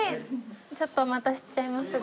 ちょっとお待たせしちゃいますが。